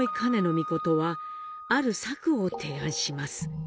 命はある策を提案します。